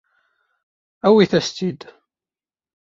Awit-as-tt-id.